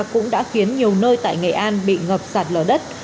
cũng đã khiến nhiều nơi tại nghệ an bị ngập sạt lở đất